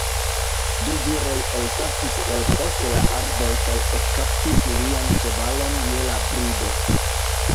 Du viroj elsaltis el post la arboj kaj ekkaptis lian ĉevalon je la brido.